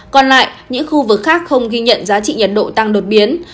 còn lại những khu vực khác không ghi nhận giá trị nhiệt độ tăng đột biến